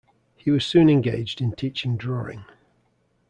He was soon engaged in teaching drawing.